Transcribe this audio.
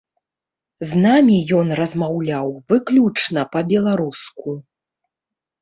З намі ён размаўляў выключна па-беларуску.